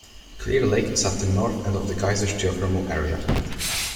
Clear Lake is at the north end of The Geysers geothermal area.